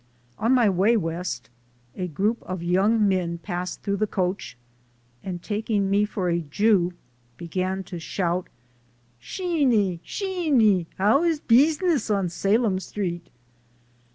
On my way West, a group of young men passed through the coach and taking THE SOUL OF AN IMMIGRANT me for a Jew began to shout: "Sheeny, Sheeny, how is beezness on Salem Street?"